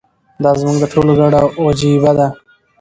دا زموږ د ټولو ګډه وجیبه ده.